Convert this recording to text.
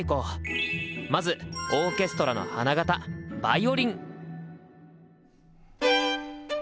まずオーケストラの花形ヴァイオリン！